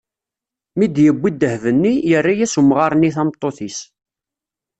Mi d-yewwi ddheb-nni, yerra-as umɣar-nni tameṭṭut-is.